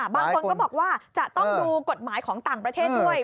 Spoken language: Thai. บางคนก็บอกว่าจะต้องดูกฎหมายของต่างประเทศด้วย